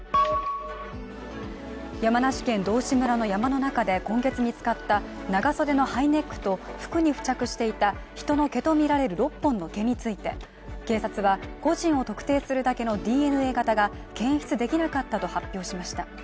山梨県道志村の山の中で今月見つかった長袖のハイネックと服に付着していた人の血とみられる６本の毛について警察は、個人を特定するだけのＤＮＡ型が検出できなかったと発表しました。